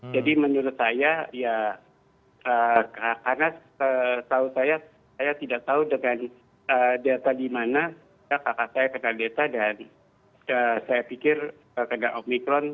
jadi menurut saya ya karena tahu saya saya tidak tahu dengan delta di mana kakak saya kena delta dan saya pikir kakak omicron